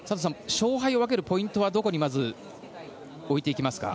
勝敗を分けるポイントはどこに、まず置いていきますか？